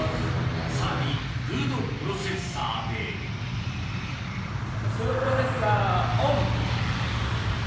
さらにフードプロセッサーでフードプロセッサーオン！